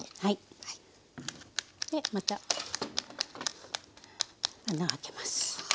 でまた穴を開けます。